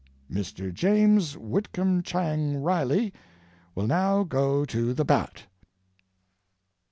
Mr. James Whitcomb Chang Riley will now go to the bat.